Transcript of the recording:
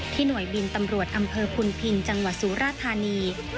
หน่วยบินตำรวจอำเภอพุนพินจังหวัดสุราธานี